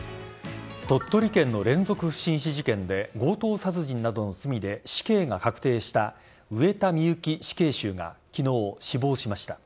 鳥取県の連続不審死事件で強盗殺人などの罪で死刑が確定した上田美由紀死刑囚が昨日、死亡しました。